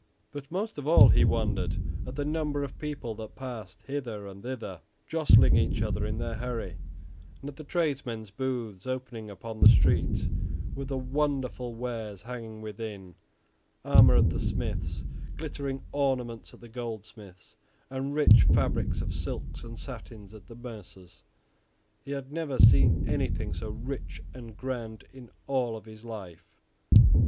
But most of all he wondered at the number of people that passed hither and thither, jostling each other in their hurry, and at the tradesmen's booths opening upon the street with the wonderful wares hanging within; armor at the smiths, glittering ornaments at the goldsmiths, and rich fabrics of silks and satins at the mercers. He had never seen anything so rich and grand in all of his life, for little Otto had never been in a town before.